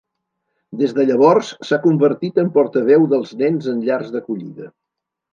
Des de llavors, s'ha convertit en portaveu dels nens en llars d'acollida.